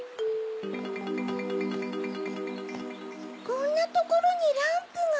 こんなところにランプが。